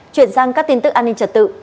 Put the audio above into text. chuyển sang các tin tức an ninh trật tự